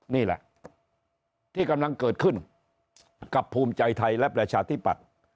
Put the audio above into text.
นี่แหละที่กำลังเกิดขึ้นกับภูมิใจไทยและประชาธิปัตย์